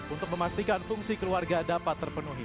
untuk memastikan fungsi keluarga dapat terpenuhi